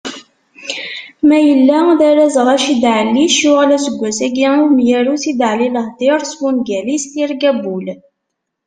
Ma yella d arraz Raccid Ɛallic yuɣal aseggas-agi i umyaru Sidali Lahdir s wungal-is Tirga n wul.